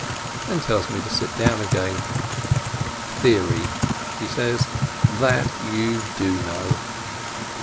and tells me to sit down again. "Theory," he says, "that you do know